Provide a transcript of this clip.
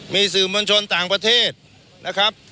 มีสื่อมวลชนต่างประเทศนะครับ